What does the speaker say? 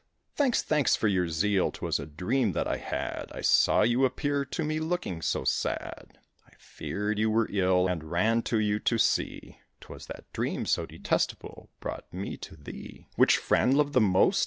Thanks, thanks for your zeal; 'twas a dream that I had: I saw you appear to me, looking so sad; I feared you were ill, and ran to you to see: 'Twas that dream, so detestable, brought me to thee." Which friend loved the most?